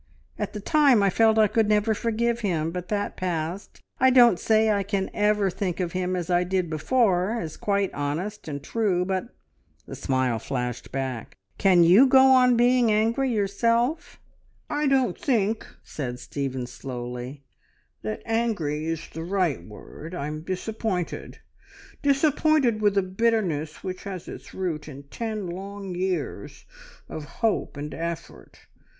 At the time I felt I could never forgive him, but that passed. I don't say I can ever think of him as I did before, as quite honest and true, but " The smile flashed back. "Can you go on being angry, yourself?" "I don't think," said Stephen slowly, "that `angry' is the right word. I'm disappointed disappointed with a bitterness which has its root in ten long years of hope and effort.